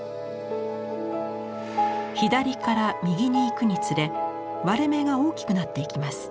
左から右に行くにつれ割れ目が大きくなっていきます。